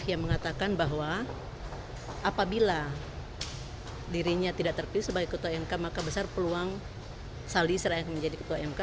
yang mengatakan bahwa apabila dirinya tidak terpilih sebagai ketua mk maka besar peluang sali seraya menjadi ketua mk